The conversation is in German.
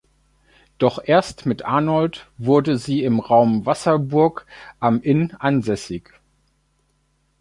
Doch erst mit Arnold wurde sie im Raum Wasserburg am Inn ansässig.